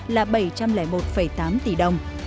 là bảy trăm linh một tám tỷ đồng